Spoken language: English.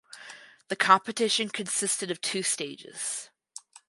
The competition consisted of two stages.